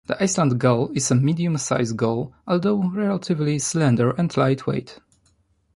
The Iceland gull is a medium size gull, although relatively slender and light-weight.